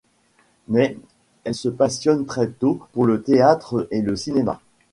Mais elle se passionne très tôt pour le théâtre et le cinéma.